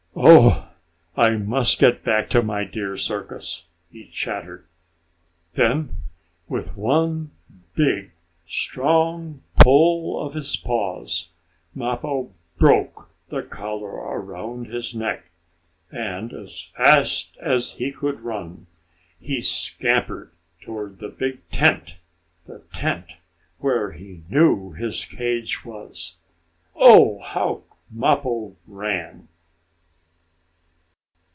"Oh, I must get back to my dear circus!" he chattered. Then, with one big, strong pull of his paws, Mappo broke the collar around his neck, and, as fast as he could run, he scampered toward the big tent the tent where he knew his cage was. Oh, how Mappo ran!